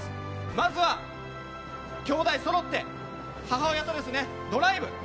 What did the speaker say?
まずは、きょうだいそろって母親とドライブ。